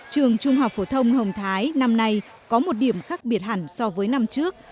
trường trung học phổ thông hồng thái năm nay có một điểm khác biệt hẳn so với năm trước